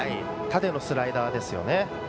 縦のスライダーですよね。